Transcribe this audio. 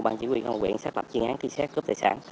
bằng chỉ huy công quyền xác lập chuyên án thi xét cướp tài sản